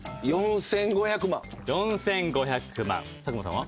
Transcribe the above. ４５００万佐久間さんは？